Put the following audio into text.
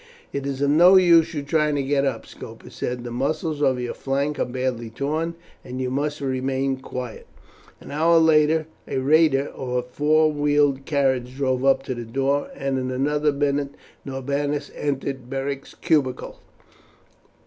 "It is of no use your trying to get up," Scopus said; "the muscles of your flank are badly torn, and you must remain quiet." An hour later a rheda or four wheeled carriage drove up to the door, and in another minute Norbanus entered Beric's cubicle.